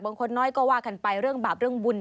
คนน้อยก็ว่ากันไปเรื่องบาปเรื่องบุญ